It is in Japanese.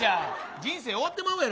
人生終わってまうやろ。